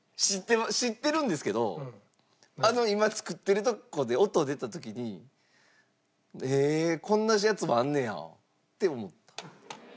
知ってるんですけど今作ってるとこで音出た時に「へえこんなやつもあんねや」って思った。